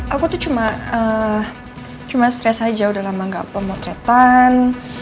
aku tuh cuma stres aja udah lama gak pemotretan